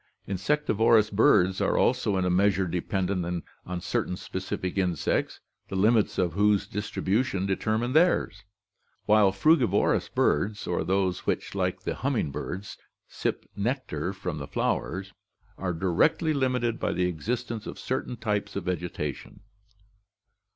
Insectivorous birds are also in a measure dependent on certain specific insects, the limits of whose distribution determine theirs, while frugivorous birds, or those which, like the humming birds, sip nectar from the flowers, are directly limited by the existence of certain types of vegetation.